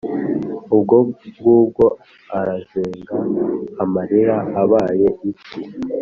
Ubwo ngubwo arazenga amarira abaye iki